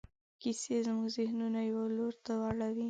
کیسې زموږ ذهنونه یوه لور ته اړوي.